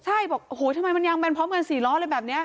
ใช่บอกโอ้โหยทำไมยางแบนพร้อมกัน๔ล้อเลยแบบนี้